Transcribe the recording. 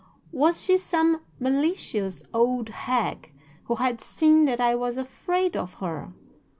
Was she some malicious old hag who had seen that I was afraid of her?